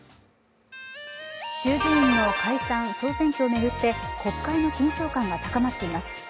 衆議院の解散総選挙を巡って国会の緊張感が高まっています。